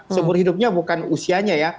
seumur hidupnya bukan usianya ya